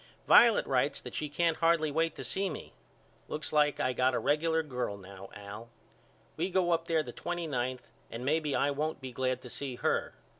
Violet writes that she can't hardly wait to see me. Looks like I got a regular girl now Al. We go up there the twenty ninth and maybe I won't be glad to see her.